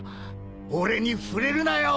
俺に触れるなよ！